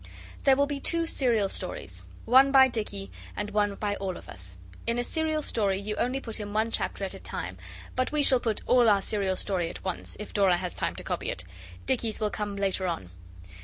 There will be two serial stories; One by Dicky and one by all of us. In a serial story you only put in one chapter at a time. But we shall put all our serial story at once, if Dora has time to copy it. Dicky's will come later on.